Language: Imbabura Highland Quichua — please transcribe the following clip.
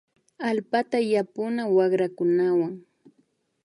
Allpata yapuna wakrakunawan